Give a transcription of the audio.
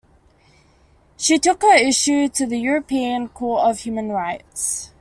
She took her issue to the European Court of Human Rights.